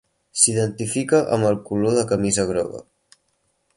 S’identifica amb el color de camisa groga.